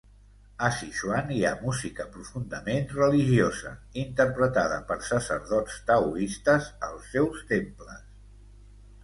A Sichuan hi ha música profundament religiosa, interpretada per sacerdots taoistes als seus temples.